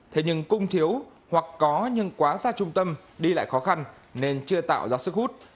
thế nhưng cung thiếu hoặc có nhưng quá xa trung tâm đi lại khó khăn nên chưa tạo ra sức hút